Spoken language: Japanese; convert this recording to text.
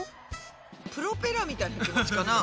プロペラみたいな気持ちかな？